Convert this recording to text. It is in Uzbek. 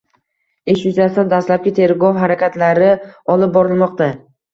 Ish yuzasidan dastlabki tergov harakatlari olib borilmoqda.